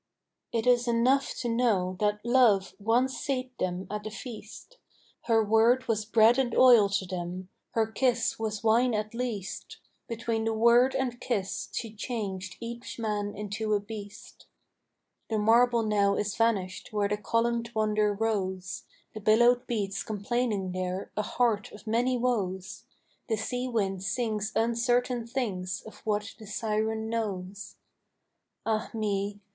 It is enough to know that love once sate them at a feast Her word was bread and oil to them, her kiss was wine at least; Between the word and kiss she changed each man into a beast. The marble now is vanished where the columned wonder rose; The billow beats complaining there, a heart of many woes; The sea wind sings uncertain things of what the Siren knows. Ah me!